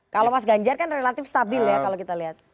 kalau mas ganjar kan relatif stabil ya kalau kita lihat